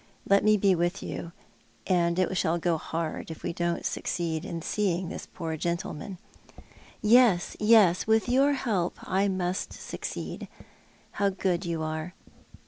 Let me be with you, and it shall go hard if we don't succeed in seeing this poor gentleman." " Yes, yes, with your help I must succeed. How good you are."